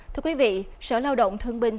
thưa quý vị sở lao động thương binh